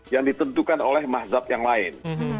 yang ditentukan oleh mazhab yang lain